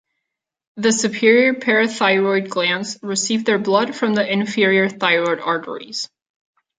The superior parathyroid glands receive their blood from the inferior thyroid arteries.